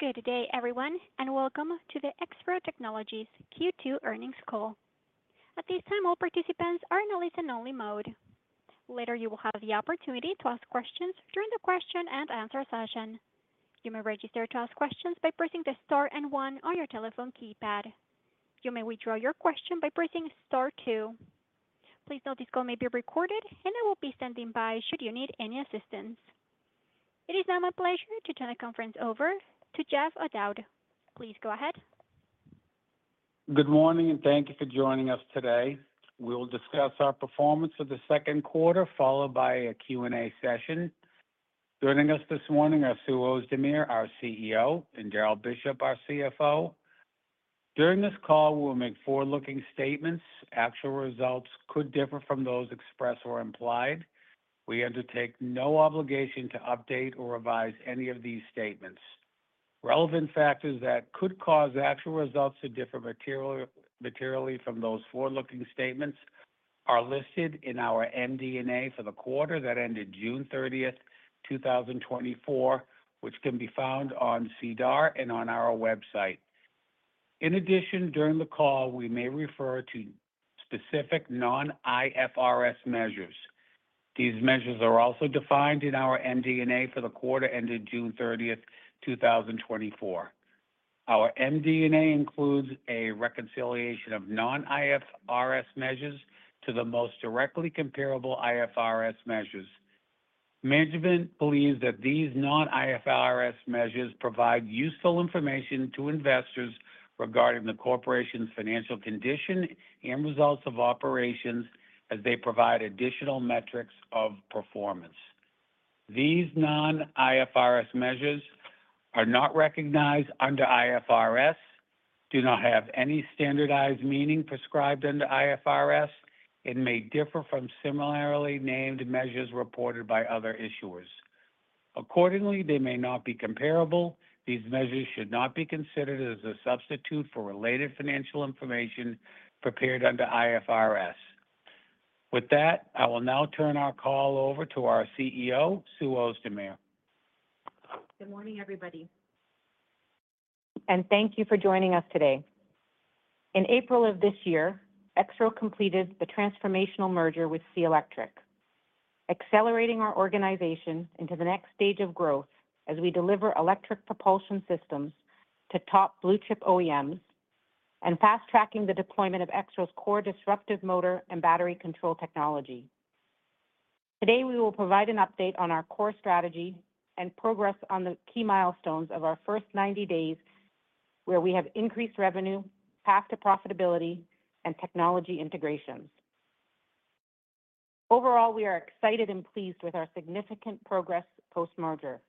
Good day, everyone, and welcome to the Exro Technologies Q2 Earnings Call. At this time, all participants are in a listen-only mode. Later, you will have the opportunity to ask questions during the question and answer session. You may register to ask questions by pressing the star and one on your telephone keypad. You may withdraw your question by pressing star two. Please note this call may be recorded, and I will be standing by should you need any assistance. It is now my pleasure to turn the conference over to Jeff O'Dowd. Please go ahead. Good morning, and thank you for joining us today. We'll discuss our performance for the second quarter, followed by a Q&A session. Joining us this morning are Sue Ozdemir, our CEO, and Darrell Bishop, our CFO. During this call, we'll make forward-looking statements. Actual results could differ from those expressed or implied. We undertake no obligation to update or revise any of these statements. Relevant factors that could cause actual results to differ materially from those forward-looking statements are listed in our MD&A for the quarter that ended June 30, 2024, which can be found on SEDAR and on our website. In addition, during the call, we may refer to specific non-IFRS measures. These measures are also defined in our MD&A for the quarter ended June 30, 2024. Our MD&A includes a reconciliation of non-IFRS measures to the most directly comparable IFRS measures. Management believes that these non-IFRS measures provide useful information to investors regarding the corporation's financial condition and results of operations as they provide additional metrics of performance. These non-IFRS measures are not recognized under IFRS, do not have any standardized meaning prescribed under IFRS, and may differ from similarly named measures reported by other issuers. Accordingly, they may not be comparable. These measures should not be considered as a substitute for related financial information prepared under IFRS. With that, I will now turn our call over to our CEO, Sue Ozdemir. Good morning, everybody, and thank you for joining us today. In April of this year, Exro completed the transformational merger with SEA Electric, accelerating our organization into the next stage of growth as we deliver electric propulsion systems to top blue-chip OEMs and fast-tracking the deployment of Exro's core disruptive motor and battery control technology. Today, we will provide an update on our core strategy and progress on the key milestones of our first 90 days, where we have increased revenue, path to profitability, and technology integrations. Overall, we are excited and pleased with our significant progress post-merger.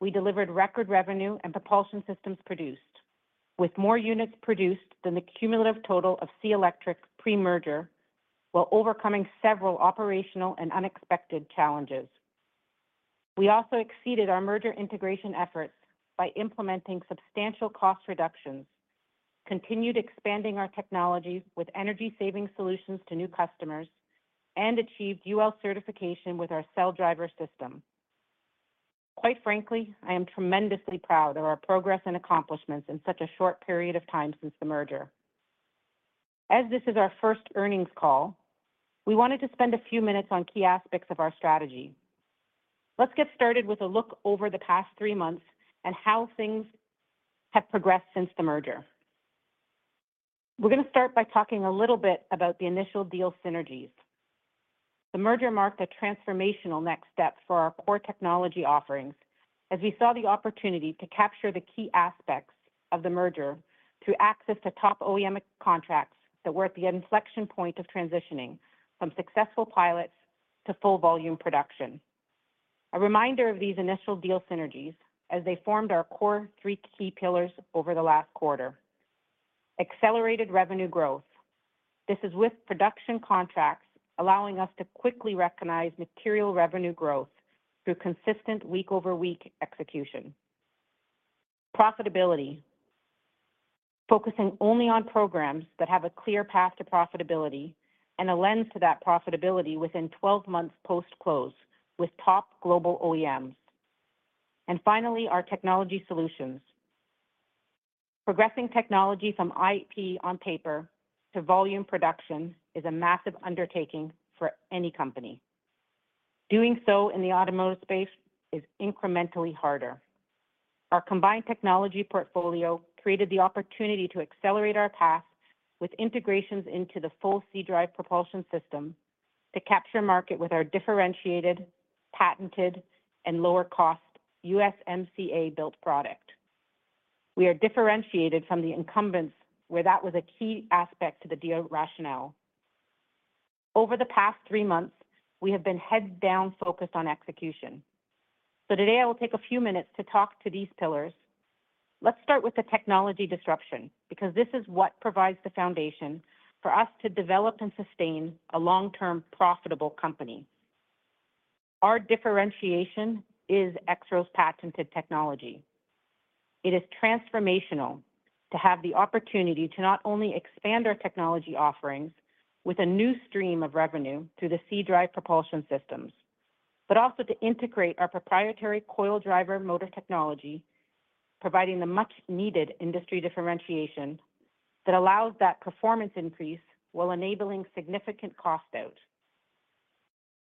We delivered record revenue and propulsion systems produced, with more units produced than the cumulative total of SEA Electric pre-merger, while overcoming several operational and unexpected challenges. We also exceeded our merger integration efforts by implementing substantial cost reductions, continued expanding our technologies with energy-saving solutions to new customers, and achieved UL certification with our Cell Driver system. Quite frankly, I am tremendously proud of our progress and accomplishments in such a short period of time since the merger. As this is our first earnings call, we wanted to spend a few minutes on key aspects of our strategy. Let's get started with a look over the past three months and how things have progressed since the merger. We're going to start by talking a little bit about the initial deal synergies. The merger marked a transformational next step for our core technology offerings, as we saw the opportunity to capture the key aspects of the merger through access to top OEM contracts that were at the inflection point of transitioning from successful pilots to full volume production. A reminder of these initial deal synergies as they formed our core three key pillars over the last quarter. Accelerated revenue growth. This is with production contracts, allowing us to quickly recognize material revenue growth through consistent week-over-week execution. Profitability, focusing only on programs that have a clear path to profitability and a lens to that profitability within 12 months post-close with top global OEMs. Finally, our technology solutions. Progressing technology from IP on paper to volume production is a massive undertaking for any company. Doing so in the automotive space is incrementally harder. Our combined technology portfolio created the opportunity to accelerate our path with integrations into the full SEA-Drive propulsion system to capture market with our differentiated, patented, and lower-cost USMCA-built product. We are differentiated from the incumbents, where that was a key aspect to the deal rationale. Over the past three months, we have been heads down, focused on execution. So today, I will take a few minutes to talk to these pillars. Let's start with the technology disruption, because this is what provides the foundation for us to develop and sustain a long-term, profitable company. Our differentiation is Exro's patented technology. It is transformational to have the opportunity to not only expand our technology offerings with a new stream of revenue through the SEA-Drive propulsion systems, but also to integrate our proprietary Coil Driver motor technology, providing the much needed industry differentiation that allows that performance increase while enabling significant cost out.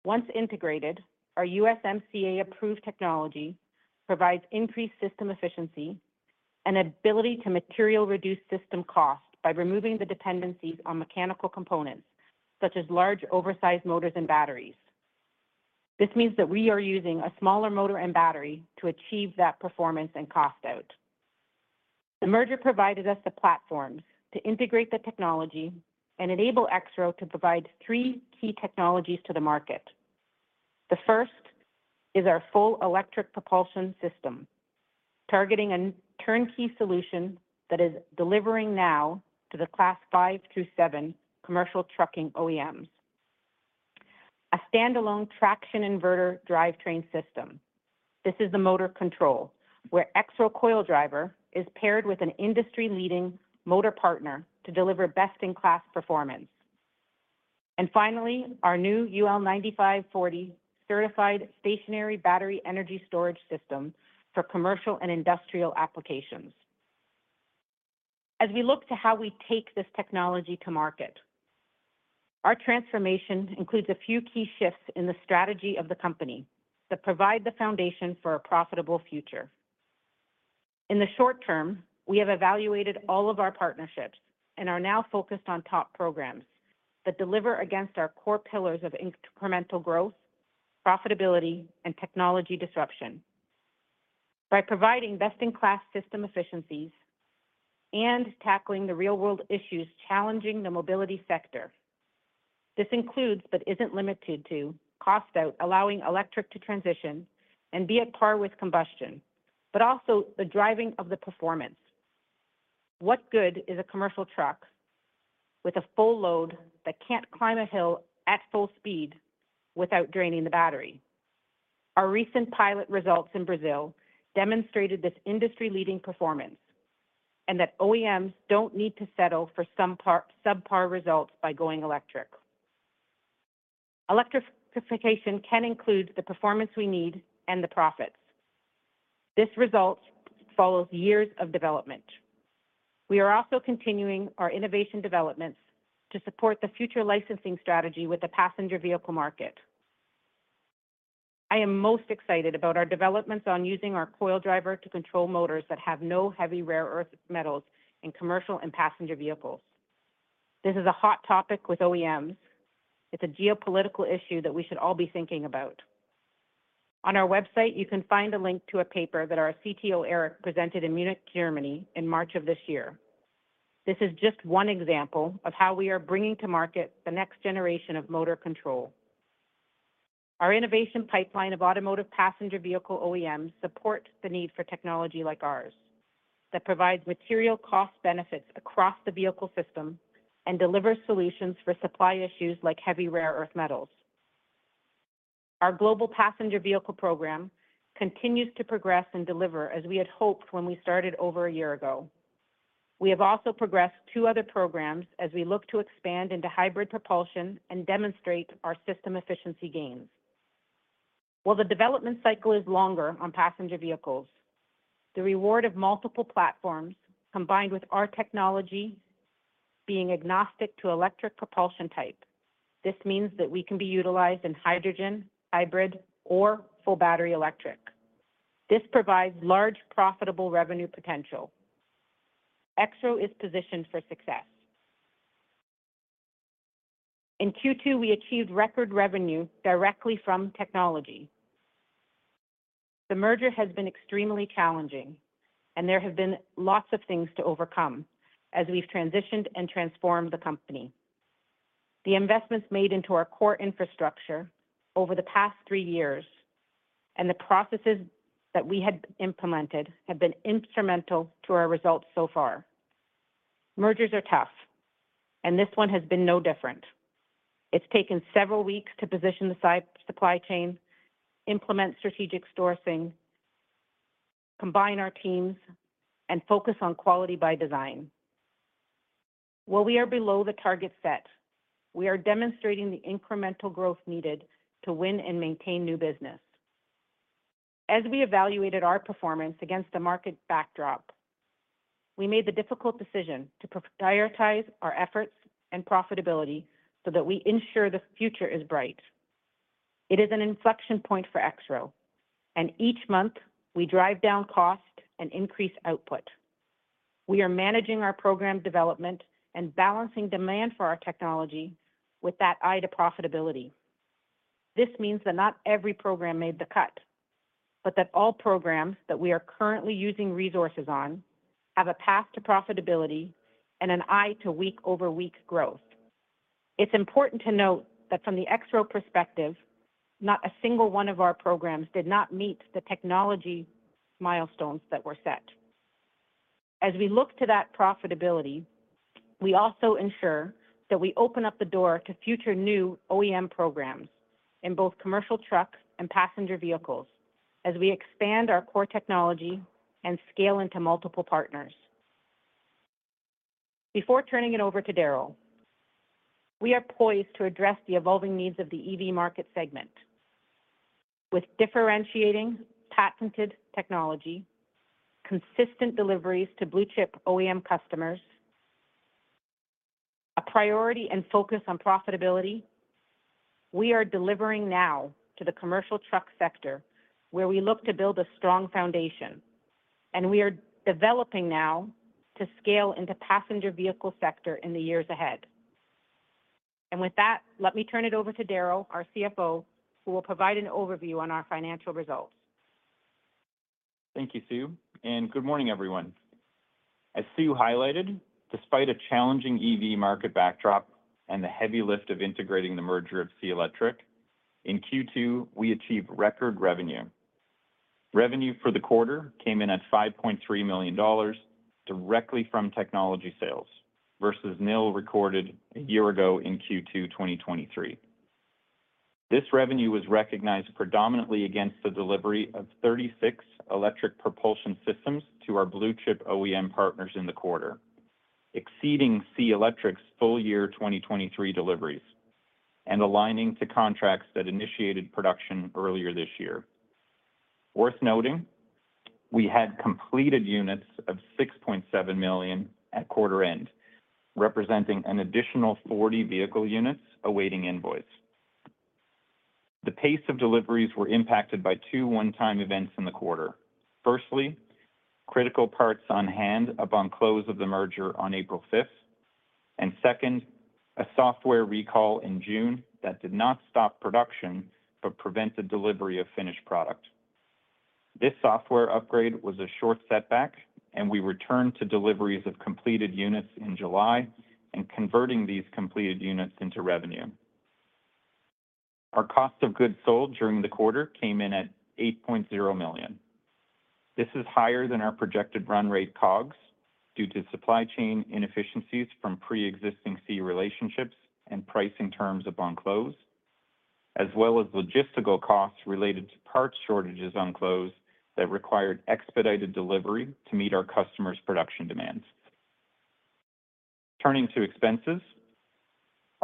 Once integrated, our USMCA-approved technology provides increased system efficiency and ability to material reduce system cost by removing the dependencies on mechanical components, such as large oversized motors and batteries. This means that we are using a smaller motor and battery to achieve that performance and cost out. The merger provided us the platform to integrate the technology and enable Exro to provide three key technologies to the market. The first is our full electric propulsion system, targeting a turnkey solution that is delivering now to the Class 5 through 7 commercial trucking OEMs. A standalone traction inverter drivetrain system. This is the motor control, where Exro Coil Driver is paired with an industry-leading motor partner to deliver best-in-class performance. Finally, our new UL 9540 certified stationary battery energy storage system for commercial and industrial applications. As we look to how we take this technology to market, our transformation includes a few key shifts in the strategy of the company that provide the foundation for a profitable future. In the short term, we have evaluated all of our partnerships and are now focused on top programs that deliver against our core pillars of incremental growth, profitability, and technology disruption. By providing best-in-class system efficiencies and tackling the real-world issues challenging the mobility sector. This includes, but isn't limited to, cost out, allowing electric to transition and be at par with combustion, but also the driving of the performance. What good is a commercial truck with a full load that can't climb a hill at full speed without draining the battery? Our recent pilot results in Brazil demonstrated this industry-leading performance, and that OEMs don't need to settle for some subpar results by going electric. Electrification can include the performance we need and the profits. This result follows years of development. We are also continuing our innovation developments to support the future licensing strategy with the passenger vehicle market. I am most excited about our developments on using our coil driver to control motors that have no heavy, rare earth metals in commercial and passenger vehicles. This is a hot topic with OEMs. It's a geopolitical issue that we should all be thinking about. On our website, you can find a link to a paper that our CTO, Eric, presented in Munich, Germany, in March of this year. This is just one example of how we are bringing to market the next generation of motor control. Our innovation pipeline of automotive passenger vehicle OEMs support the need for technology like ours, that provides material cost benefits across the vehicle system and delivers solutions for supply issues like heavy, rare earth metals. Our global passenger vehicle program continues to progress and deliver as we had hoped when we started over a year ago. We have also progressed two other programs as we look to expand into hybrid propulsion and demonstrate our system efficiency gains. While the development cycle is longer on passenger vehicles, the reward of multiple platforms, combined with our technology being agnostic to electric propulsion type, this means that we can be utilized in hydrogen, hybrid, or full battery electric. This provides large profitable revenue potential. Exro is positioned for success. In Q2, we achieved record revenue directly from technology. The merger has been extremely challenging, and there have been lots of things to overcome as we've transitioned and transformed the company. The investments made into our core infrastructure over the past three years and the processes that we had implemented have been instrumental to our results so far. Mergers are tough, and this one has been no different. It's taken several weeks to position the supply chain, implement strategic sourcing, combine our teams, and focus on quality by design. While we are below the target set, we are demonstrating the incremental growth needed to win and maintain new business. As we evaluated our performance against the market backdrop, we made the difficult decision to prioritize our efforts and profitability so that we ensure the future is bright. It is an inflection point for Exro, and each month, we drive down cost and increase output. We are managing our program development and balancing demand for our technology with that eye to profitability. This means that not every program made the cut, but that all programs that we are currently using resources on have a path to profitability and an eye to week-over-week growth. It's important to note that from the Exro perspective, not a single one of our programs did not meet the technology milestones that were set. As we look to that profitability, we also ensure that we open up the door to future new OEM programs in both commercial trucks and passenger vehicles, as we expand our core technology and scale into multiple partners. Before turning it over to Darrell, we are poised to address the evolving needs of the EV market segment. With differentiating patented technology, consistent deliveries to blue-chip OEM customers, a priority and focus on profitability, we are delivering now to the commercial truck sector, where we look to build a strong foundation, and we are developing now to scale into passenger vehicle sector in the years ahead. With that, let me turn it over to Darrell, our CFO, who will provide an overview on our financial results. Thank you, Sue, and good morning, everyone. As Sue highlighted, despite a challenging EV market backdrop and the heavy lift of integrating the merger of SEA Electric, in Q2, we achieved record revenue. Revenue for the quarter came in at 5.3 million dollars directly from technology sales, versus nil recorded a year ago in Q2 2023. This revenue was recognized predominantly against the delivery of 36 electric propulsion systems to our blue-chip OEM partners in the quarter, exceeding SEA Electric's full year 2023 deliveries and aligning to contracts that initiated production earlier this year. Worth noting, we had completed units of 6.7 million at quarter end, representing an additional 40 vehicle units awaiting invoice. The pace of deliveries were impacted by two one-time events in the quarter. Firstly, critical parts on hand upon close of the merger on April fifth, and second, a software recall in June that did not stop production but prevented delivery of finished product. This software upgrade was a short setback, and we returned to deliveries of completed units in July and converting these completed units into revenue. Our cost of goods sold during the quarter came in at 8.0 million. This is higher than our projected run rate COGS, due to supply chain inefficiencies from pre-existing CE relationships and pricing terms upon close, as well as logistical costs related to parts shortages on close that required expedited delivery to meet our customers' production demands. Turning to expenses,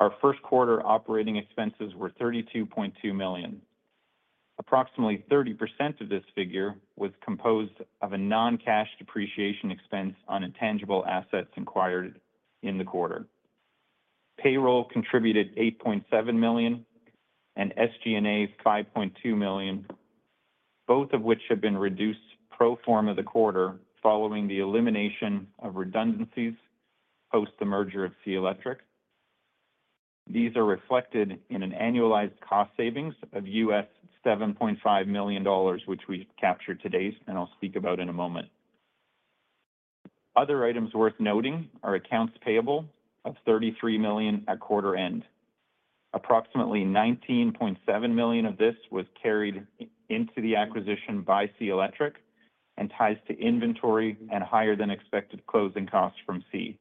our first quarter operating expenses were 32.2 million. Approximately 30% of this figure was composed of a non-cash depreciation expense on intangible assets acquired in the quarter. Payroll contributed 8.7 million, and SG&A 5.2 million, both of which have been reduced pro forma the quarter following the elimination of redundancies post the merger of SEA Electric. These are reflected in an annualized cost savings of $7.5 million, which we've captured to date, and I'll speak about in a moment. Other items worth noting are accounts payable of 33 million at quarter end. Approximately 19.7 million of this was carried into the acquisition by SEA Electric and ties to inventory and higher-than-expected closing costs from CE.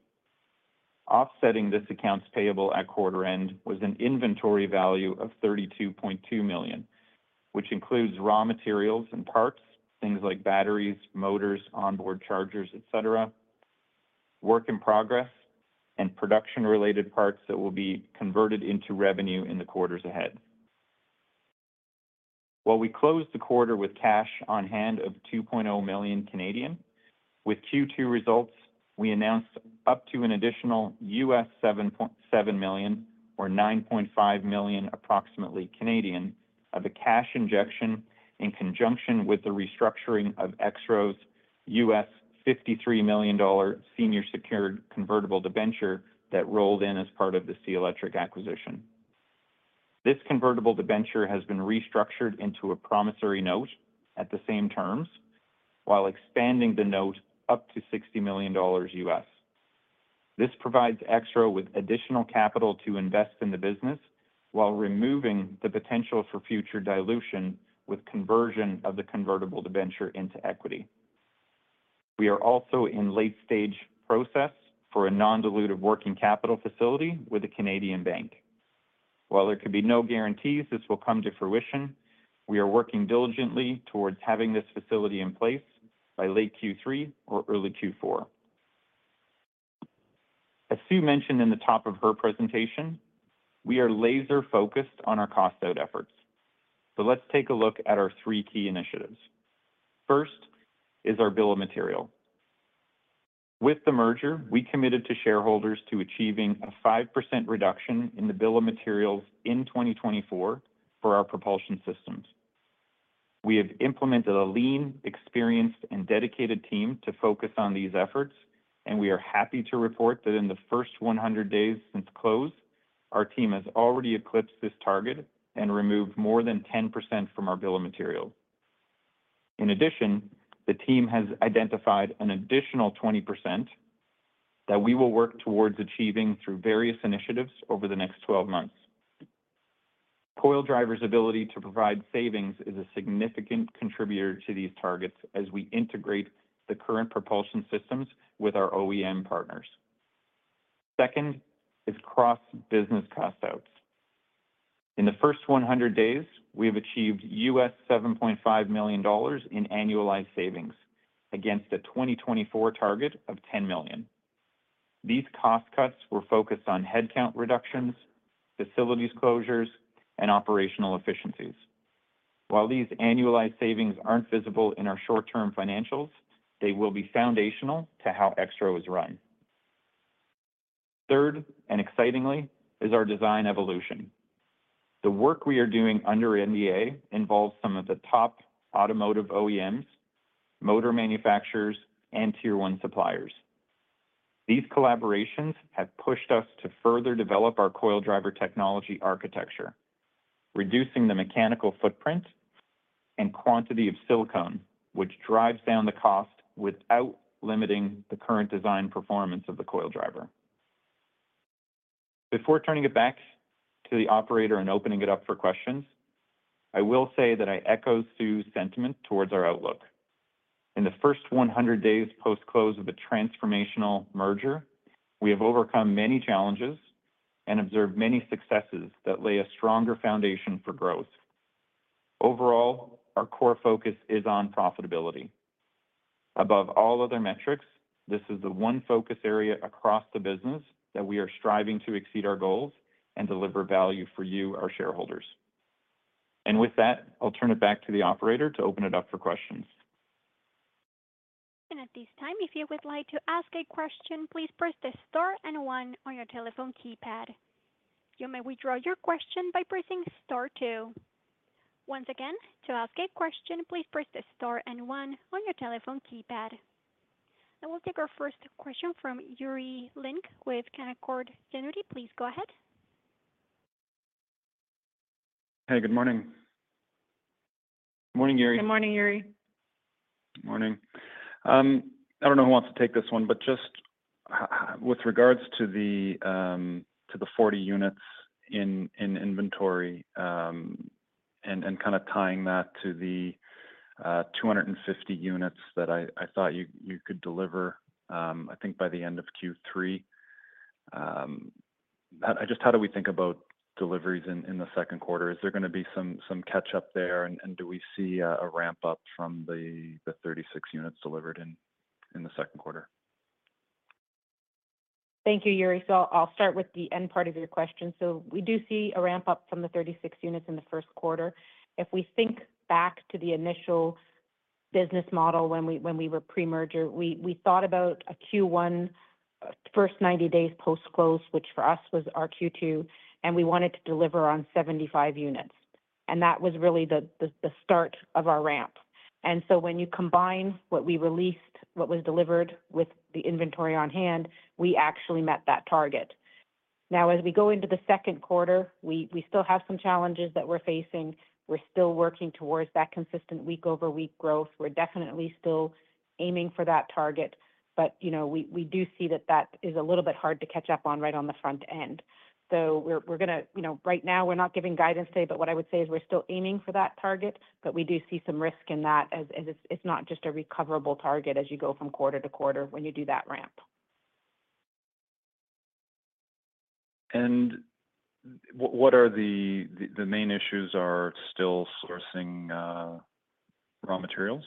Offsetting this accounts payable at quarter end was an inventory value of 32.2 million, which includes raw materials and parts, things like batteries, motors, onboard chargers, et cetera, work in progress, and production-related parts that will be converted into revenue in the quarters ahead. While we closed the quarter with cash on hand of 2.0 million, with Q2 results, we announced up to an additional $7.7 million or approximately 9.5 million of a cash injection in conjunction with the restructuring of Exro's $53 million senior secured convertible debenture that rolled in as part of the SEA Electric acquisition. This convertible debenture has been restructured into a promissory note at the same terms, while expanding the note up to $60 million. This provides Exro with additional capital to invest in the business while removing the potential for future dilution with conversion of the convertible debenture into equity. We are also in late stage process for a non-dilutive working capital facility with a Canadian bank. While there could be no guarantees this will come to fruition, we are working diligently towards having this facility in place by late Q3 or early Q4. As Sue mentioned in the top of her presentation, we are laser focused on our cost out efforts. So let's take a look at our three key initiatives. First is our bill of material. With the merger, we committed to shareholders to achieving a 5% reduction in the bill of materials in 2024 for our propulsion systems. We have implemented a lean, experienced, and dedicated team to focus on these efforts, and we are happy to report that in the first 100 days since close, our team has already eclipsed this target and removed more than 10% from our bill of materials. In addition, the team has identified an additional 20% that we will work towards achieving through various initiatives over the next 12 months. Coil Driver's ability to provide savings is a significant contributor to these targets as we integrate the current propulsion systems with our OEM partners. Second, is cross-business cost outs. In the first 100 days, we have achieved $7.5 million in annualized savings against a 2024 target of $10 million. These cost cuts were focused on headcount reductions, facilities closures, and operational efficiencies. While these annualized savings aren't visible in our short-term financials, they will be foundational to how Exro is run. Third, and excitingly, is our design evolution. The work we are doing under NDA involves some of the top automotive OEMs, motor manufacturers, and tier one suppliers. These collaborations have pushed us to further develop our Coil Driver technology architecture, reducing the mechanical footprint and quantity of silicon, which drives down the cost without limiting the current design performance of the Coil Driver. Before turning it back to the operator and opening it up for questions, I will say that I echo Sue's sentiment towards our outlook. In the first 100 days post-close of a transformational merger, we have overcome many challenges and observed many successes that lay a stronger foundation for growth. Overall, our core focus is on profitability. Above all other metrics, this is the one focus area across the business that we are striving to exceed our goals and deliver value for you, our shareholders. And with that, I'll turn it back to the operator to open it up for questions. At this time, if you would like to ask a question, please press star and one on your telephone keypad. You may withdraw your question by pressing star two. Once again, to ask a question, please press star and one on your telephone keypad. I will take our first question from Yuri Lynk with Canaccord Genuity. Please go ahead. Hey, good morning. Morning, Yuri. Good morning, Yuri. Good morning. I don't know who wants to take this one, but just with regards to the 40 units in inventory, and kind of tying that to the 250 units that I thought you could deliver, I think by the end of Q3. Just how do we think about deliveries in the second quarter? Is there gonna be some catch-up there, and do we see a ramp-up from the 36 units delivered in the second quarter? Thank you, Yuri. So I'll start with the end part of your question. So we do see a ramp-up from the 36 units in the first quarter. If we think back to the initial business model when we were pre-merger, we thought about a Q1, first 90 days post-close, which for us was our Q2, and we wanted to deliver on 75 units, and that was really the start of our ramp. And so when you combine what we released, what was delivered with the inventory on hand, we actually met that target. Now, as we go into the second quarter, we still have some challenges that we're facing. We're still working towards that consistent week-over-week growth. We're definitely still aiming for that target, but, you know, we do see that that is a little bit hard to catch up on right on the front end. So we're gonna. You know, right now, we're not giving guidance today, but what I would say is we're still aiming for that target, but we do see some risk in that as it's not just a recoverable target as you go from quarter to quarter when you do that ramp. What are the main issues still sourcing raw materials?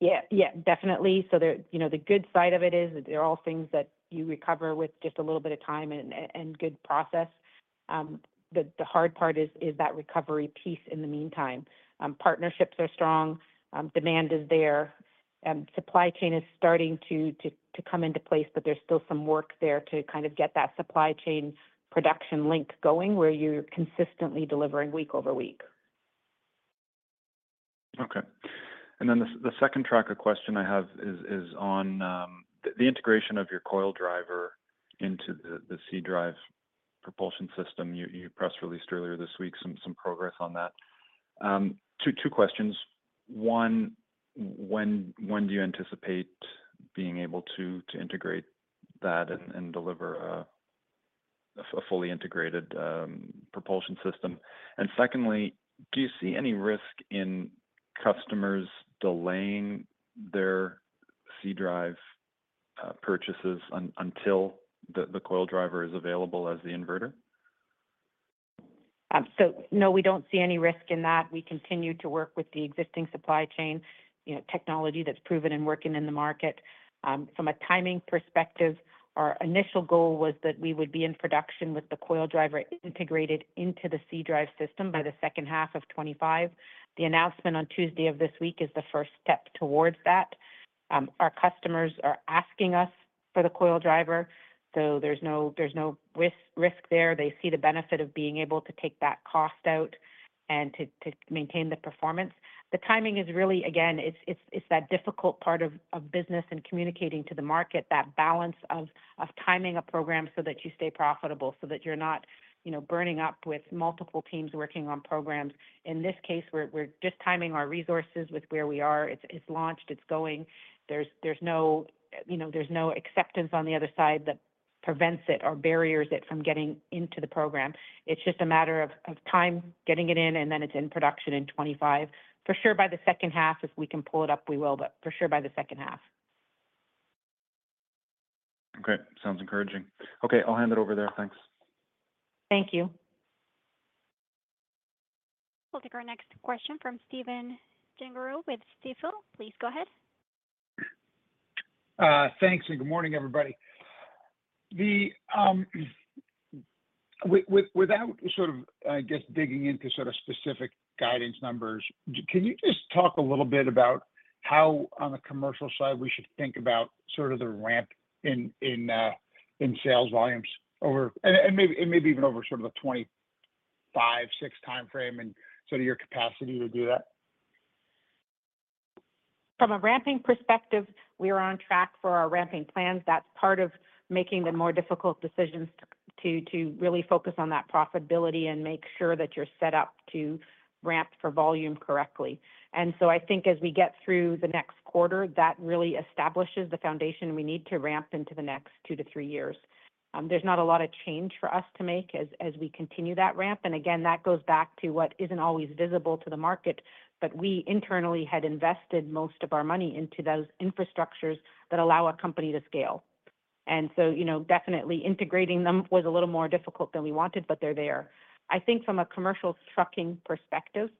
Yeah. Yeah, definitely. So there, you know, the good side of it is that they're all things that you recover with just a little bit of time and good process. The hard part is that recovery piece in the meantime. Partnerships are strong, demand is there, supply chain is starting to come into place, but there's still some work there to kind of get that supply chain production link going, where you're consistently delivering week over week. Okay. And then the second tracker question I have is on the integration of your Coil Driver into the SEA-Drive propulsion system. You press released earlier this week some progress on that. Two questions. One, when do you anticipate being able to integrate that and deliver a fully integrated propulsion system? And secondly, do you see any risk in customers delaying their SEA-Drive purchases until the Coil Driver is available as the inverter? So no, we don't see any risk in that. We continue to work with the existing supply chain, you know, technology that's proven and working in the market. From a timing perspective, our initial goal was that we would be in production with the Coil Driver integrated into the SEA-Drive system by the second half of 2025. The announcement on Tuesday of this week is the first step towards that. Our customers are asking us for the Coil Driver, so there's no, there's no risk, risk there. They see the benefit of being able to take that cost out and to, to maintain the performance. The timing is really, again, it's that difficult part of business and communicating to the market that balance of timing a program so that you stay profitable, so that you're not, you know, burning up with multiple teams working on programs. In this case, we're just timing our resources with where we are. It's launched, it's going. There's no, you know, there's no acceptance on the other side that prevents it or barriers it from getting into the program. It's just a matter of time getting it in, and then it's in production in 2025. For sure, by the second half, if we can pull it up, we will, but for sure by the second half. Great. Sounds encouraging. Okay, I'll hand it over there. Thanks. Thank you. We'll take our next question from Stephen Gengaro with Stifel. Please go ahead. Thanks, and good morning, everybody. Without sort of, I guess, digging into sort of specific guidance numbers, can you just talk a little bit about how, on the commercial side, we should think about sort of the ramp in sales volumes over... And maybe even over sort of the 25, 6 timeframe and sort of your capacity to do that? From a ramping perspective, we are on track for our ramping plans. That's part of making the more difficult decisions to, to really focus on that profitability and make sure that you're set up to ramp for volume correctly. And so I think as we get through the next quarter, that really establishes the foundation we need to ramp into the next 2-3 years. There's not a lot of change for us to make as, as we continue that ramp, and again, that goes back to what isn't always visible to the market. But we internally had invested most of our money into those infrastructures that allow a company to scale. And so, you know, definitely integrating them was a little more difficult than we wanted, but they're there. I think from a commercial trucking perspective,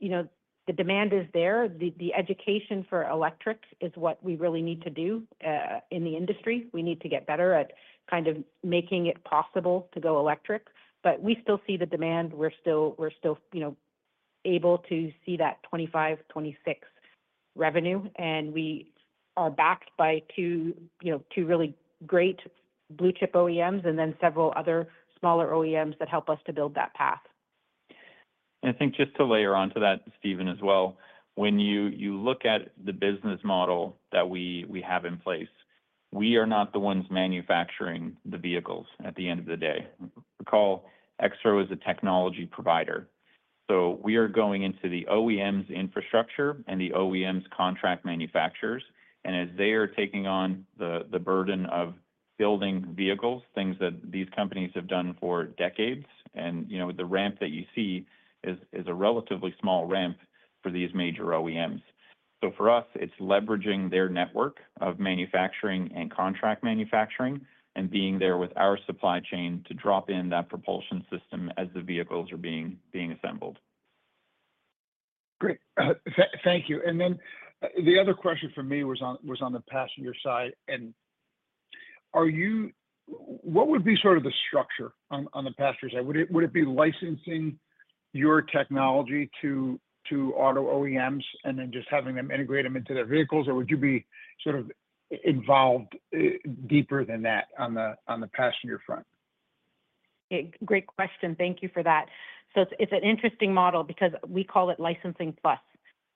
you know, the demand is there. The education for electric is what we really need to do in the industry. We need to get better at kind of making it possible to go electric. But we still see the demand. We're still you know able to see that 2025, 2026 revenue, and we are backed by two you know two really great blue-chip OEMs and then several other smaller OEMs that help us to build that path. And I think just to layer onto that, Stephen, as well, when you look at the business model that we have in place, we are not the ones manufacturing the vehicles at the end of the day. Recall, Exro is a technology provider, so we are going into the OEM's infrastructure and the OEM's contract manufacturers, and as they are taking on the burden of building vehicles, things that these companies have done for decades, and, you know, the ramp that you see is a relatively small ramp for these major OEMs. So for us, it's leveraging their network of manufacturing and contract manufacturing and being there with our supply chain to drop in that propulsion system as the vehicles are being assembled. Great. Thank you. And then the other question from me was on the passenger side, and what would be sort of the structure on the passenger side? Would it be licensing your technology to auto OEMs and then just having them integrate them into their vehicles, or would you be sort of involved deeper than that on the passenger front? Yeah, great question. Thank you for that. So it's an interesting model because we call it licensing plus.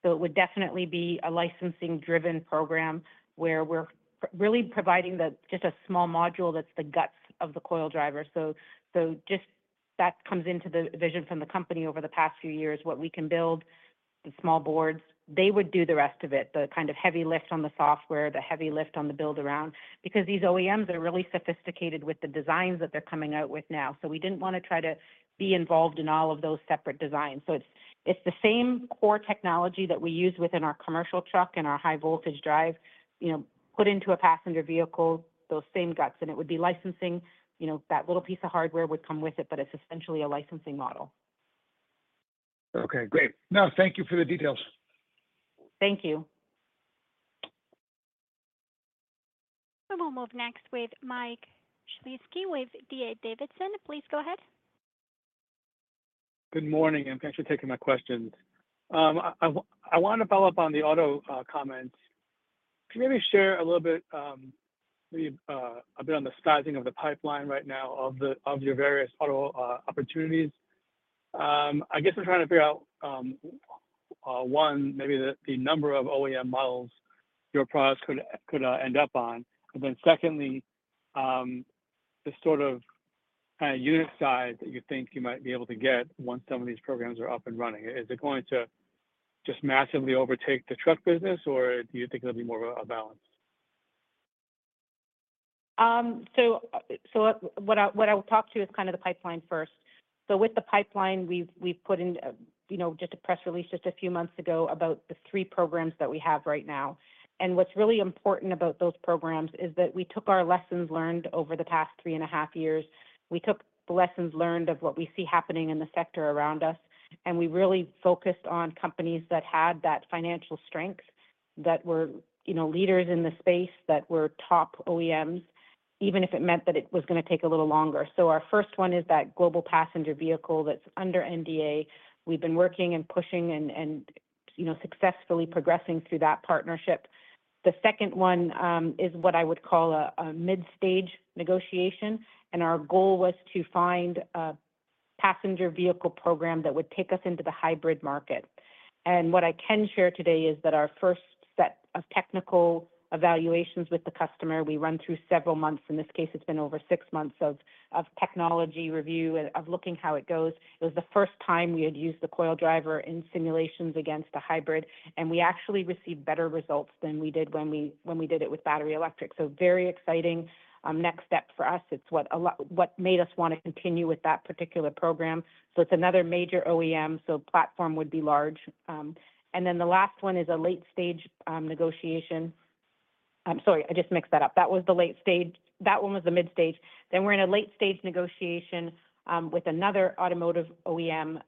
So it would definitely be a licensing-driven program where we're really providing just a small module that's the guts of the Coil Driver. So just that comes into the vision from the company over the past few years, what we can build, the small boards. They would do the rest of it, the kind of heavy lift on the software, the heavy lift on the build-around, because these OEMs are really sophisticated with the designs that they're coming out with now. So we didn't wanna try to be involved in all of those separate designs. So it's the same core technology that we use within our commercial truck and our high-voltage drive, you know, put into a passenger vehicle, those same guts, and it would be licensing. You know, that little piece of hardware would come with it, but it's essentially a licensing model. Okay, great. No, thank you for the details. Thank you. We will move next with Mike Shlisky with D.A. Davidson. Please go ahead. Good morning, and thanks for taking my questions. I wanna follow up on the auto comments. Can you maybe share a little bit, maybe a bit on the sizing of the pipeline right now of your various auto opportunities? I guess I'm trying to figure out one, maybe the number of OEM models your products could end up on. And then secondly, the sort of unit size that you think you might be able to get once some of these programs are up and running. Is it going to just massively overtake the truck business, or do you think it'll be more of a balance? So what I will talk to is kind of the pipeline first. So with the pipeline, we've put in, you know, just a press release just a few months ago about the three programs that we have right now. And what's really important about those programs is that we took our lessons learned over the past three and a half years. We took the lessons learned of what we see happening in the sector around us, and we really focused on companies that had that financial strength, that were, you know, leaders in the space, that were top OEMs, even if it meant that it was gonna take a little longer. So our first one is that global passenger vehicle that's under NDA. We've been working and pushing and, you know, successfully progressing through that partnership. The second one, is what I would call a, a mid-stage negotiation, and our goal was to find a passenger vehicle program that would take us into the hybrid market. And what I can share today is that our first set of technical evaluations with the customer, we run through several months. In this case, it's been over six months of, of technology review and of looking how it goes. It was the first time we had used the coil driver in simulations against a hybrid, and we actually received better results than we did when we, when we did it with battery electric, so very exciting. Next step for us, what made us want to continue with that particular program. So it's another major OEM, so platform would be large. And then the last one is a late-stage negotiation. I'm sorry, I just mixed that up. That was the late stage. That one was the mid stage. Then we're in a late stage negotiation with another automotive OEM.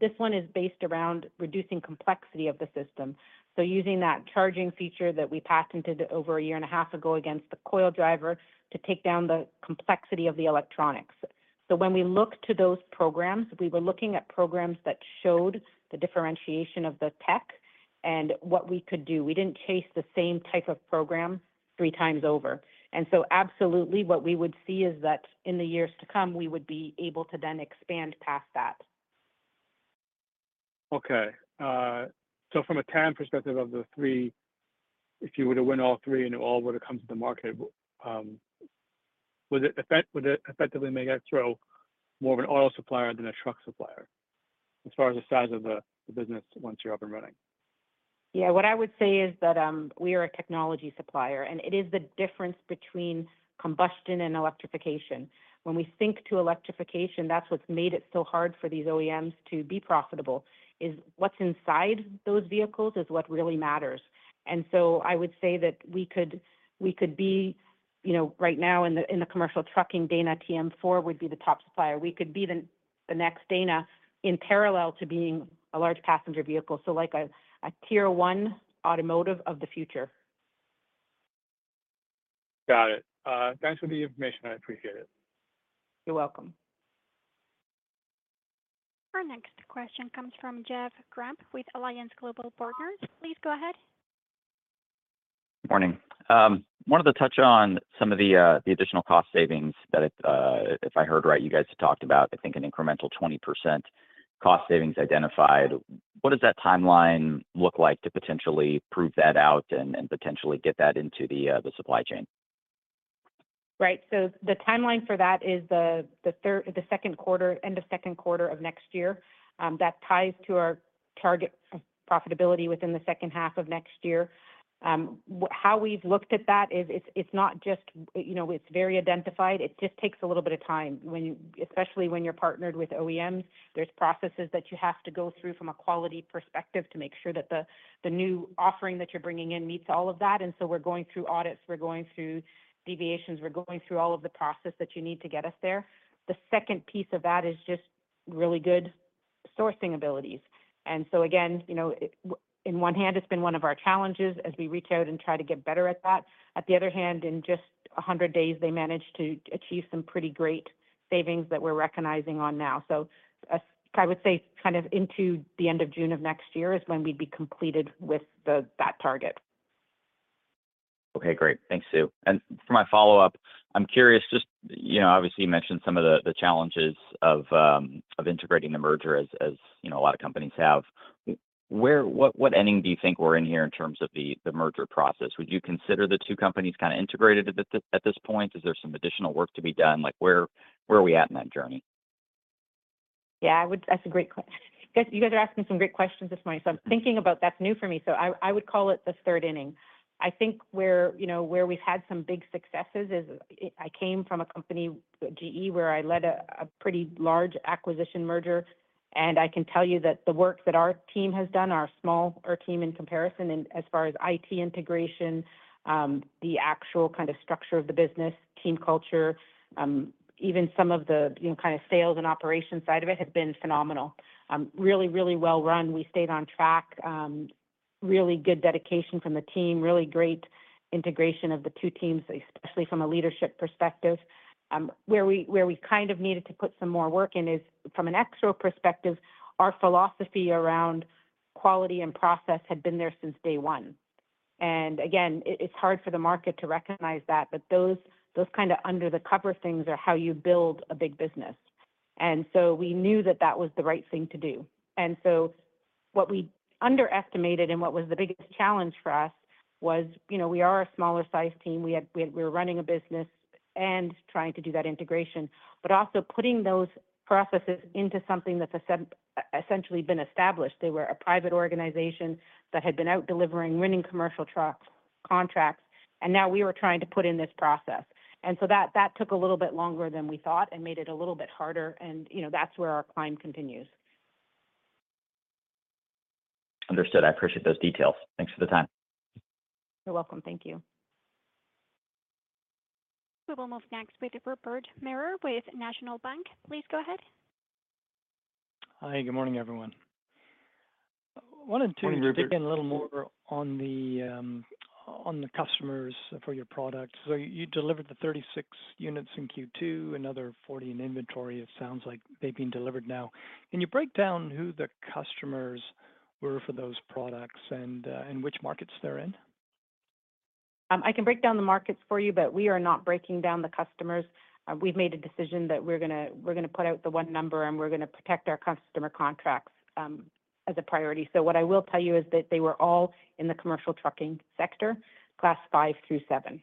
This one is based around reducing complexity of the system. So using that charging feature that we patented over a year and a half ago against the coil driver to take down the complexity of the electronics. So when we look to those programs, we were looking at programs that showed the differentiation of the tech and what we could do. We didn't chase the same type of program three times over. And so absolutely what we would see is that in the years to come, we would be able to then expand past that. Okay. So from a TAM perspective of the three, if you were to win all three and all were to come to the market, would it effectively make Exro more of an OEM supplier than a truck supplier, as far as the size of the business once you're up and running? Yeah, what I would say is that we are a technology supplier, and it is the difference between combustion and electrification. When we think to electrification, that's what's made it so hard for these OEMs to be profitable, is what's inside those vehicles is what really matters. And so I would say that we could, we could be, you know, right now in the, in the commercial trucking, Dana TM4 would be the top supplier. We could be the, the next Dana in parallel to being a large passenger vehicle, so like a, a Tier 1 automotive of the future. Got it. Thanks for the information. I appreciate it. You're welcome. Our next question comes from Jeff Grampp with Alliance Global Partners. Please go ahead. Morning. Wanted to touch on some of the, the additional cost savings that it, if I heard right, you guys had talked about, I think, an incremental 20% cost savings identified. What does that timeline look like to potentially prove that out and, and potentially get that into the, the supply chain? Right. So the timeline for that is the second quarter, end of second quarter of next year. That ties to our target profitability within the second half of next year. How we've looked at that is it's not just, you know, it's very identified. It just takes a little bit of time, especially when you're partnered with OEMs, there's processes that you have to go through from a quality perspective to make sure that the new offering that you're bringing in meets all of that. And so we're going through audits, we're going through deviations, we're going through all of the process that you need to get us there. The second piece of that is just really good sourcing abilities. And so again, you know, on one hand, it's been one of our challenges as we reach out and try to get better at that. On the other hand, in just 100 days, they managed to achieve some pretty great savings that we're recognizing now. So, I would say kind of into the end of June of next year is when we'd be completed with that target. Okay, great. Thanks, Sue. And for my follow-up, I'm curious, just, you know, obviously, you mentioned some of the, the challenges of integrating the merger, as, as, you know, a lot of companies have. What, what inning do you think we're in here in terms of the, the merger process? Would you consider the two companies kind of integrated at this, at this point? Is there some additional work to be done? Like, where, where are we at in that journey? Yeah, that's a great question. Guys, you guys are asking some great questions this morning. So I'm thinking about that. That's new for me. So I would call it the third inning. I think where, you know, we've had some big successes is, I came from a company, GE, where I led a pretty large acquisition merger, and I can tell you that the work that our team has done, our small team, in comparison, in as far as IT integration, the actual kind of structure of the business, team culture, even some of the, you know, kind of sales and operations side of it, have been phenomenal. Really, really well-run. We stayed on track, really good dedication from the team, really great integration of the two teams, especially from a leadership perspective. Where we, where we kind of needed to put some more work in is from an Exro perspective, our philosophy around quality and process had been there since day one. And again, it, it's hard for the market to recognize that, but those, those kind of under-the-cover things are how you build a big business. And so we knew that that was the right thing to do. And so what we underestimated and what was the biggest challenge for us was, you know, we are a smaller-sized team. We were running a business and trying to do that integration, but also putting those processes into something that's essentially been established. They were a private organization that had been out delivering, winning commercial truck contracts, and now we were trying to put in this process. So that took a little bit longer than we thought and made it a little bit harder, and, you know, that's where our climb continues. Understood. I appreciate those details. Thanks for the time. You're welcome. Thank you. We will move next with Rupert Merer with National Bank. Please go ahead. Hi, good morning, everyone. Good morning, Rupert. Wanted to dig in a little more on the, on the customers for your products. So you delivered the 36 units in Q2, another 40 in inventory. It sounds like they've been delivered now. Can you break down who the customers were for those products and, and which markets they're in? I can break down the markets for you, but we are not breaking down the customers. We've made a decision that we're gonna put out the one number, and we're gonna protect our customer contracts as a priority. So what I will tell you is that they were all in the commercial trucking sector, Class 5-7.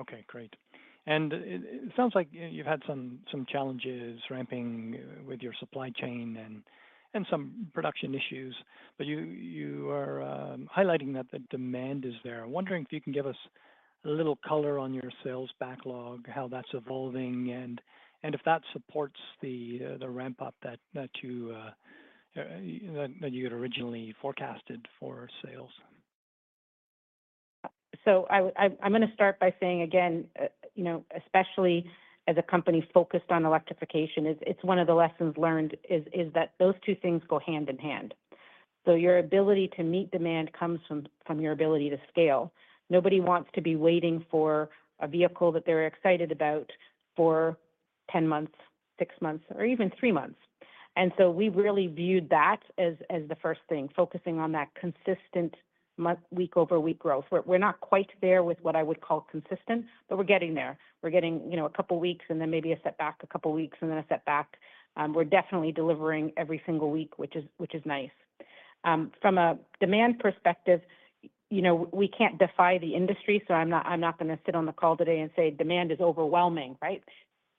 Okay, great. And it sounds like you've had some challenges ramping with your supply chain and some production issues, but you are highlighting that the demand is there. I'm wondering if you can give us a little color on your sales backlog, how that's evolving, and if that supports the ramp up that you had originally forecasted for sales? So I'm gonna start by saying again, you know, especially as a company focused on electrification, it's one of the lessons learned, is that those two things go hand in hand. So your ability to meet demand comes from your ability to scale. Nobody wants to be waiting for a vehicle that they're excited about for 10 months, 6 months, or even 3 months. And so we really viewed that as the first thing, focusing on that consistent month, week-over-week growth. We're not quite there with what I would call consistent, but we're getting there. We're getting, you know, a couple weeks, and then maybe a setback a couple of weeks, and then a setback. We're definitely delivering every single week, which is nice. From a demand perspective, you know, we can't defy the industry, so I'm not gonna sit on the call today and say, "Demand is overwhelming," right?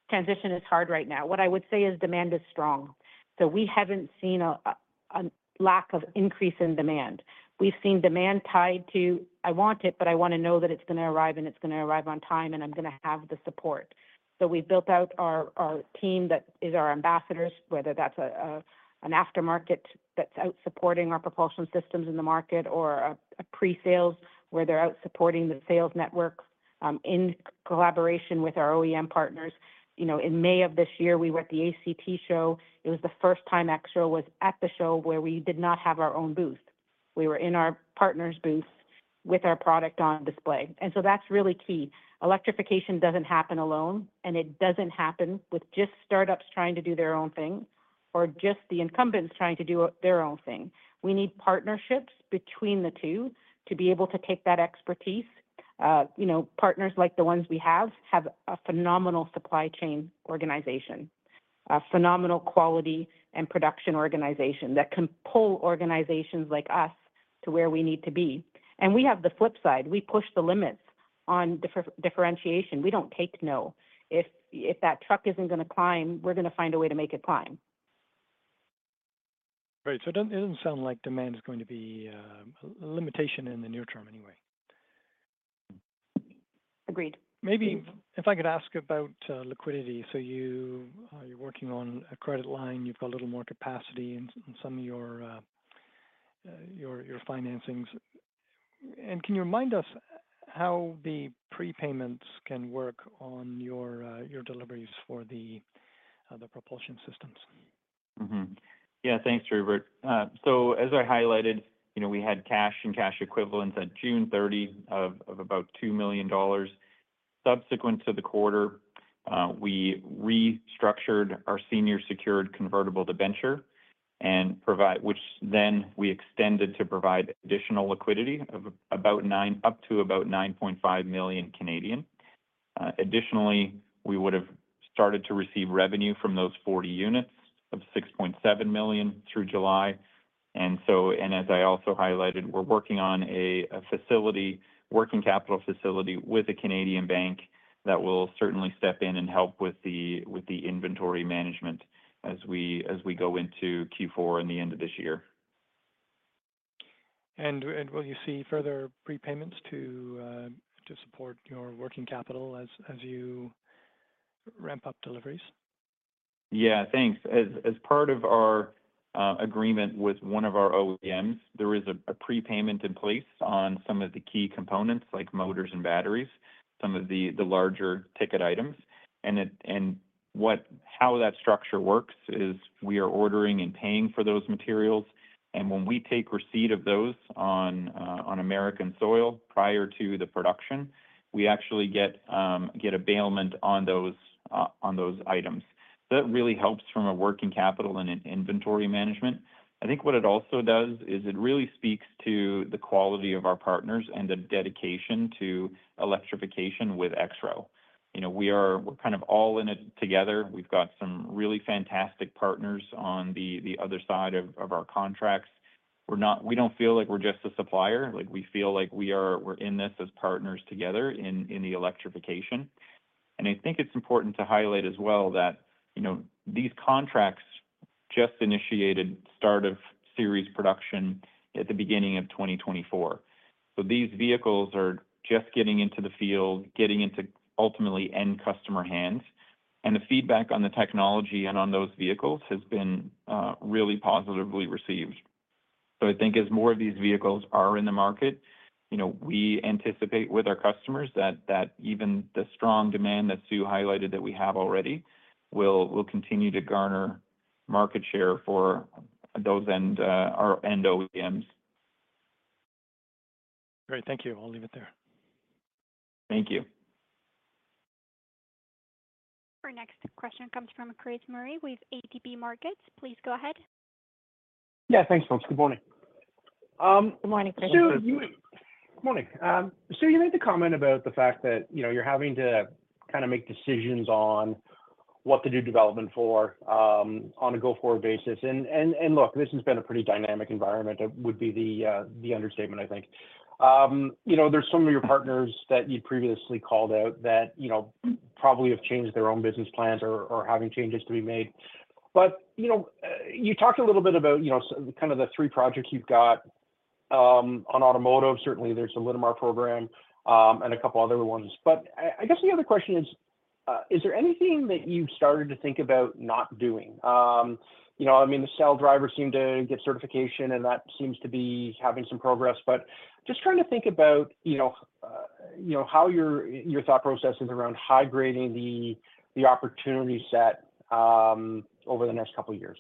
Transition is hard right now. What I would say is demand is strong. So we haven't seen a lack of increase in demand. We've seen demand tied to, "I want it, but I wanna know that it's gonna arrive, and it's gonna arrive on time, and I'm gonna have the support." So we've built out our team that is our ambassadors, whether that's an aftermarket that's out supporting our propulsion systems in the market, or a pre-sales, where they're out supporting the sales network in collaboration with our OEM partners. You know, in May of this year, we were at the ACT show. It was the first time Exro was at the show where we did not have our own booth. We were in our partner's booth with our product on display, and so that's really key. Electrification doesn't happen alone, and it doesn't happen with just startups trying to do their own thing, or just the incumbents trying to do their own thing. We need partnerships between the two to be able to take that expertise. You know, partners like the ones we have have a phenomenal supply chain organization, a phenomenal quality and production organization that can pull organizations like us to where we need to be. And we have the flip side. We push the limits on differentiation. We don't take no. If that truck isn't gonna climb, we're gonna find a way to make it climb. Right. So it doesn't, it doesn't sound like demand is going to be a limitation in the near term anyway. Agreed. Maybe if I could ask about liquidity. So you're working on a credit line. You've got a little more capacity in some of your financings. And can you remind us how the prepayments can work on your deliveries for the propulsion systems? Yeah, thanks, Rupert. So as I highlighted, you know, we had cash and cash equivalents at June 30 of about 2 million dollars. Subsequent to the quarter, we restructured our senior secured convertible debenture and provided which then we extended to provide additional liquidity of about 9 million up to about 9.5 million. Additionally, we would have started to receive revenue from those 40 units of 6.7 million through July. So, as I also highlighted, we're working on a facility, working capital facility with a Canadian bank that will certainly step in and help with the inventory management as we go into Q4 at the end of this year. Will you see further prepayments to support your working capital as you ramp up deliveries? Yeah, thanks. As part of our agreement with one of our OEMs, there is a prepayment in place on some of the key components, like motors and batteries, some of the larger ticket items. And how that structure works is we are ordering and paying for those materials, and when we take receipt of those on American soil prior to the production, we actually get a bailment on those items. So that really helps from a working capital and in inventory management. I think what it also does is it really speaks to the quality of our partners and the dedication to electrification with Exro. You know, we're kind of all in it together. We've got some really fantastic partners on the other side of our contracts. We don't feel like we're just a supplier. Like, we feel like we're in this as partners together in the electrification. And I think it's important to highlight as well that, you know, these contracts just initiated start of series production at the beginning of 2024. So these vehicles are just getting into the field, getting into ultimately end customer hands, and the feedback on the technology and on those vehicles has been really positively received. So I think as more of these vehicles are in the market, you know, we anticipate with our customers that even the strong demand that Sue highlighted that we have already will continue to garner market share for those end, our end OEMs. Great, thank you. I'll leave it there. Thank you. Our next question comes from Chris Murray with ATB Capital Markets. Please go ahead. Yeah, thanks, folks. Good morning- Good morning, Chris. Sue, you Good morning. Sue, you made the comment about the fact that, you know, you're having to kind of make decisions on what to do development for, on a go-forward basis. Look, this has been a pretty dynamic environment. It would be the understatement, I think. You know, there's some of your partners that you previously called out that, you know, probably have changed their own business plans or having changes to be made. But, you know, you talked a little bit about, you know, so kind of the three projects you've got on automotive. Certainly, there's the Linamar program and a couple other ones. But I guess the other question is, is there anything that you've started to think about not doing? You know, I mean, the cell drivers seem to get certification, and that seems to be having some progress, but just trying to think about, you know, how your thought process is around high-grading the opportunity set, over the next couple of years.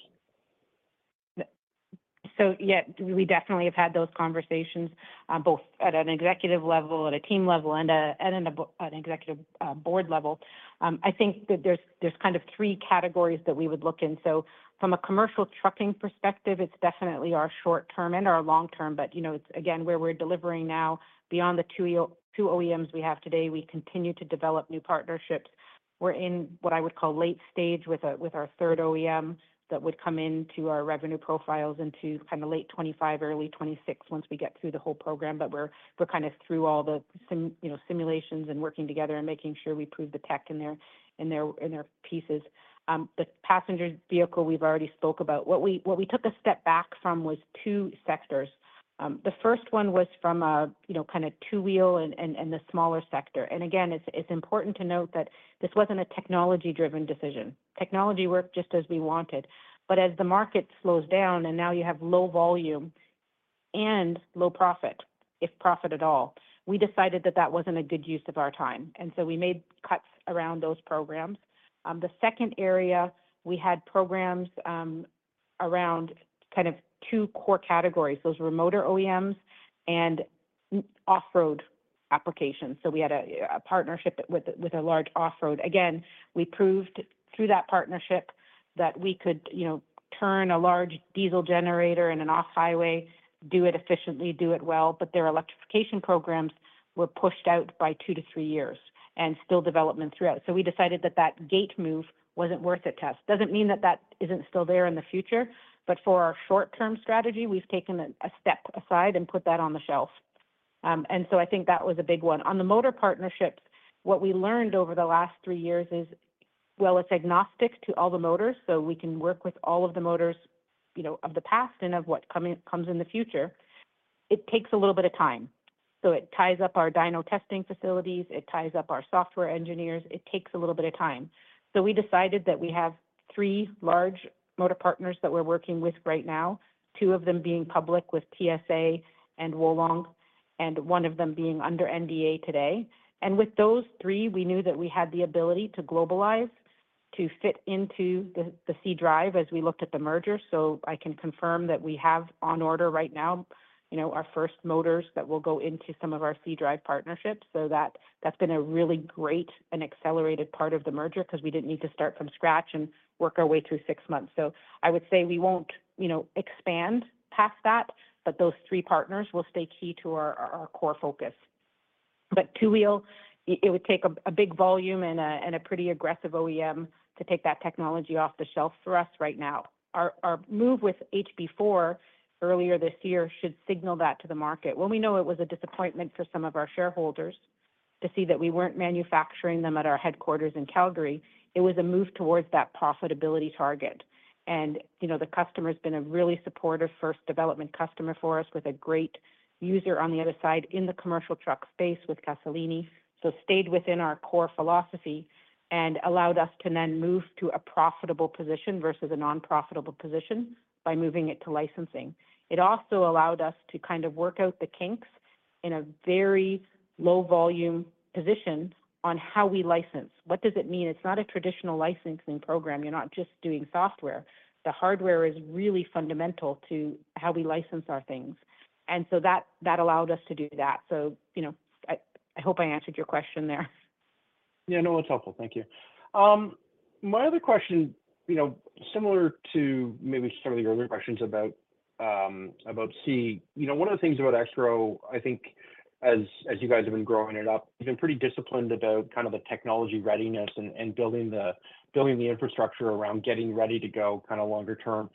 So, yeah, we definitely have had those conversations, both at an executive level, at a team level, and an executive board level. I think that there's kind of three categories that we would look in. So from a commercial trucking perspective, it's definitely our short term and our long term, but, you know, it's, again, where we're delivering now beyond the two OEMs we have today. We continue to develop new partnerships. We're in what I would call late stage with our third OEM that would come into our revenue profiles into kind of late 2025, early 2026, once we get through the whole program. But we're kind of through all the simulations, you know, and working together and making sure we prove the tech in their pieces. The passenger vehicle, we've already spoke about. What we, what we took a step back from was two sectors. The first one was from a, you know, kind of two-wheel and the smaller sector. And again, it's important to note that this wasn't a technology-driven decision. Technology worked just as we wanted, but as the market slows down and now you have low volume and low profit, if profit at all, we decided that that wasn't a good use of our time, and so we made cuts around those programs. The second area, we had programs around kind of two core categories. Those were motor OEMs and off-road applications. So we had a partnership with a large off-road. Again, we proved through that partnership that we could, you know, turn a large diesel generator in an off-highway, do it efficiently, do it well, but their electrification programs were pushed out by 2-3 years and still development throughout. So we decided that that gate move wasn't worth it to us. Doesn't mean that that isn't still there in the future, but for our short-term strategy, we've taken a, a step aside and put that on the shelf. And so I think that was a big one. On the motor partnerships, what we learned over the last 3 years is, while it's agnostic to all the motors, so we can work with all of the motors, you know, of the past and of what comes in the future, it takes a little bit of time. So it ties up our dyno testing facilities, it ties up our software engineers. It takes a little bit of time. So we decided that we have three large motor partners that we're working with right now, two of them being public with TSA and Wolong, and one of them being under NDA today. And with those three, we knew that we had the ability to globalize, to fit into the, the C drive as we looked at the merger. So I can confirm that we have on order right now, you know, our first motors that will go into some of our C drive partnerships. So that's been a really great and accelerated part of the merger because we didn't need to start from scratch and work our way through six months. So I would say we won't, you know, expand past that, but those three partners will stay key to our core focus. But two-wheel, it would take a big volume and a pretty aggressive OEM to take that technology off the shelf for us right now. Our move with HB4 earlier this year should signal that to the market. While we know it was a disappointment for some of our shareholders to see that we weren't manufacturing them at our headquarters in Calgary, it was a move towards that profitability target. And, you know, the customer's been a really supportive first development customer for us, with a great user on the other side in the commercial truck space with Casalini. So stayed within our core philosophy and allowed us to then move to a profitable position versus a non-profitable position by moving it to licensing. It also allowed us to kind of work out the kinks in a very low volume position on how we license. What does it mean? It's not a traditional licensing program. You're not just doing software. The hardware is really fundamental to how we license our things. And so that, that allowed us to do that. So, you know, I, I hope I answered your question there. Yeah, no, it's helpful. Thank you. My other question, you know, similar to maybe some of the earlier questions about, about C, you know, one of the things about Exro, I think as, as you guys have been growing it up, you've been pretty disciplined about kind of the technology readiness and, and building the, building the infrastructure around getting ready to go kind of longer term.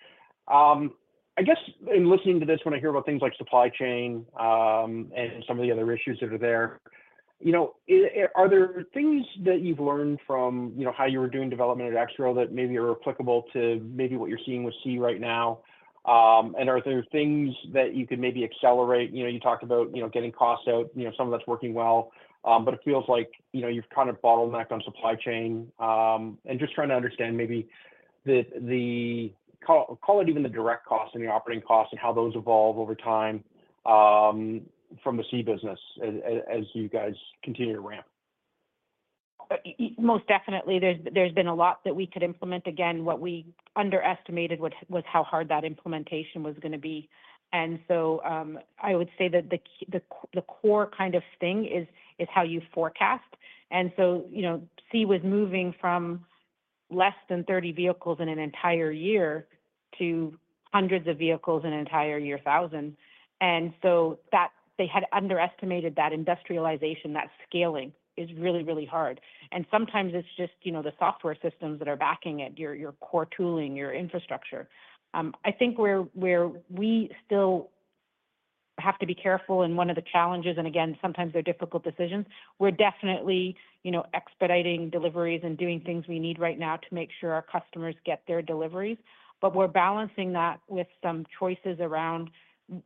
I guess in listening to this, when I hear about things like supply chain, and some of the other issues that are there, you know, are there things that you've learned from, you know, how you were doing development at Exro that maybe are applicable to maybe what you're seeing with C right now? And are there things that you could maybe accelerate? You know, you talked about, you know, getting costs out, you know, some of that's working well, but it feels like, you know, you've kind of bottlenecked on supply chain. Just trying to understand maybe the call it even the direct costs and the operating costs and how those evolve over time, from the SEA business as you guys continue to ramp. Most definitely, there's been a lot that we could implement. Again, what we underestimated was how hard that implementation was gonna be. And so, I would say that the core kind of thing is how you forecast. And so, you know, C was moving from less than 30 vehicles in an entire year to hundreds of vehicles in an entire year, 1,000. And so they had underestimated that industrialization, that scaling is really, really hard. And sometimes it's just, you know, the software systems that are backing it, your core tooling, your infrastructure. I think where we still have to be careful, and one of the challenges, and again, sometimes they're difficult decisions, we're definitely, you know, expediting deliveries and doing things we need right now to make sure our customers get their deliveries. But we're balancing that with some choices around,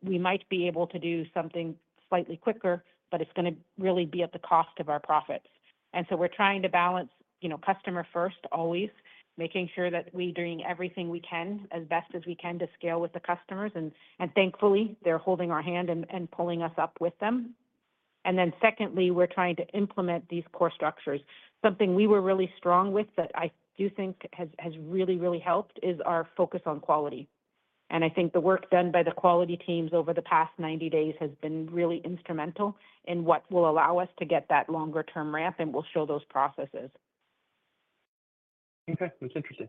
we might be able to do something slightly quicker, but it's gonna really be at the cost of our profits. And so we're trying to balance, you know, customer first, always, making sure that we're doing everything we can, as best as we can to scale with the customers. And, and thankfully, they're holding our hand and, and pulling us up with them. And then secondly, we're trying to implement these core structures. Something we were really strong with that I do think has, has really, really helped is our focus on quality. And I think the work done by the quality teams over the past 90 days has been really instrumental in what will allow us to get that longer-term ramp, and we'll show those processes. Okay, that's interesting.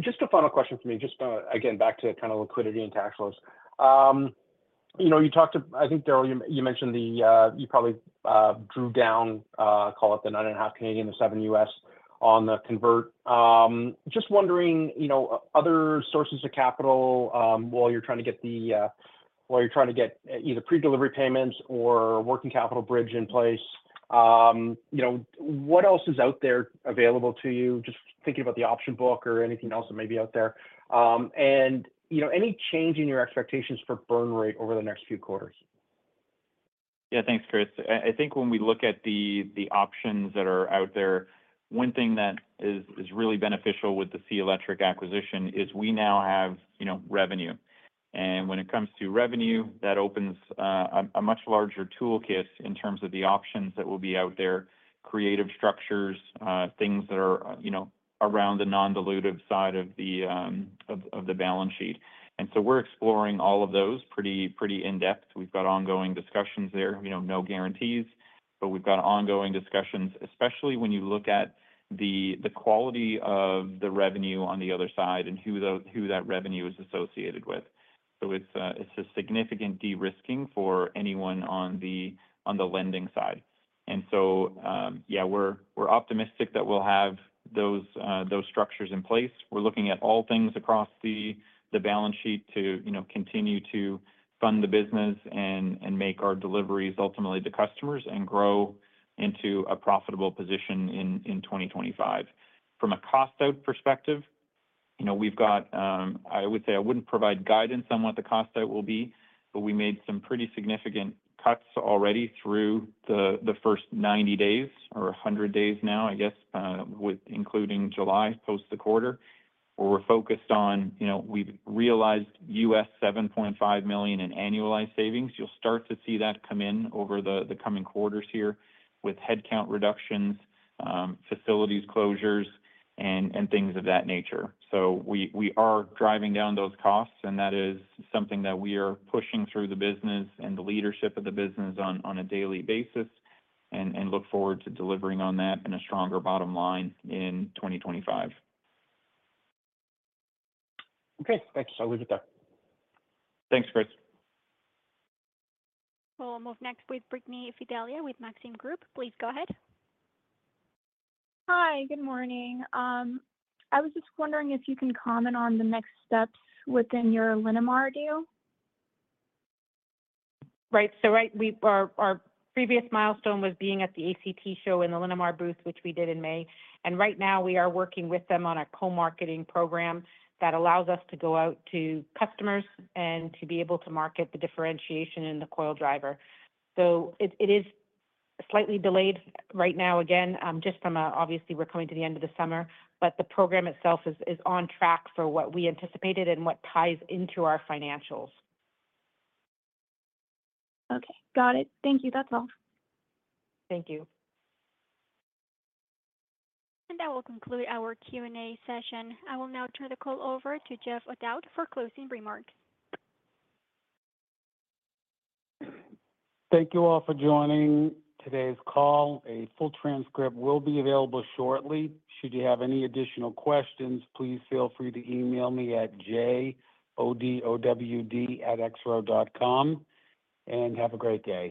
Just a final question for me, just again, back to kind of liquidity and tax laws. You know, you talked to—I think, Darrell, you mentioned the you probably drew down, call it the 9.5 Canadian, the 7 US on the convert. Just wondering, you know, other sources of capital, while you're trying to get the while you're trying to get either pre-delivery payments or working capital bridge in place. You know, what else is out there available to you? Just thinking about the option book or anything else that may be out there. And, you know, any change in your expectations for burn rate over the next few quarters? Yeah, thanks, Chris. I think when we look at the options that are out there, one thing that is really beneficial with the SEA Electric acquisition is we now have, you know, revenue. And when it comes to revenue, that opens a much larger toolkit in terms of the options that will be out there, creative structures, things that are, you know, around the non-dilutive side of the balance sheet. And so we're exploring all of those pretty in-depth. We've got ongoing discussions there, you know, no guarantees, but we've got ongoing discussions, especially when you look at the quality of the revenue on the other side and who that revenue is associated with. So it's a significant de-risking for anyone on the lending side. So, we're, we're optimistic that we'll have those, those structures in place. We're looking at all things across the balance sheet to, you know, continue to fund the business and make our deliveries ultimately to customers and grow into a profitable position in 2025. From a cost out perspective, you know, we've got. I would say I wouldn't provide guidance on what the cost out will be, but we made some pretty significant cuts already through the first 90 days or 100 days now, I guess, with including July, post the quarter, where we're focused on, you know, we've realized $7.5 million in annualized savings. You'll start to see that come in over the coming quarters here with headcount reductions, facilities closures, and things of that nature. So we are driving down those costs, and that is something that we are pushing through the business and the leadership of the business on a daily basis, and look forward to delivering on that in a stronger bottom line in 2025. Okay, thanks. I'll leave it there. Thanks, Chris. We'll move next with Brittney Fidelia, with Maxim Group. Please go ahead. Hi, good morning. I was just wondering if you can comment on the next steps within your Linamar deal? Right. So, our previous milestone was being at the ACT Expo in the Linamar booth, which we did in May. And right now, we are working with them on a co-marketing program that allows us to go out to customers and to be able to market the differentiation in the Coil Driver. So it is slightly delayed right now, again, just obviously, we're coming to the end of the summer, but the program itself is on track for what we anticipated and what ties into our financials. Okay, got it. Thank you. That's all. Thank you. That will conclude our Q&A session. I will now turn the call over to Jeff O'Dowd for closing remarks. Thank you all for joining today's call. A full transcript will be available shortly. Should you have any additional questions, please feel free to email me at jodowd@exro.com, and have a great day.